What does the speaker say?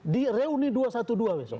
di reuni dua ratus dua belas besok